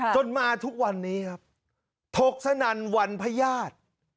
จนมาทุกวันนี้ครับทกสนันวันพญาติ